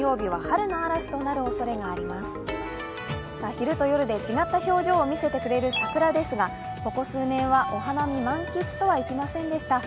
昼と夜で違った表情を見せてくれる桜ですが、ここ数年はお花見満喫とはいきませんでした。